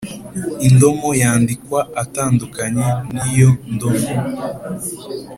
Indomo yandikwa atandukanye n iyo ndomo